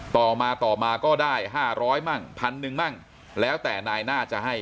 ต่อมาต่อมาก็ได้๕๐๐มั่งพันหนึ่งมั่งแล้วแต่นายน่าจะให้